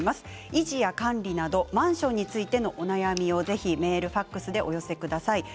維持や管理などマンションについてのお悩みをメール、ファックスでお寄せください。